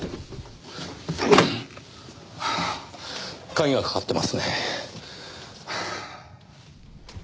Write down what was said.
鍵がかかってますねぇ。